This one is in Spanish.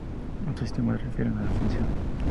Otros sistemas se refieren a la función.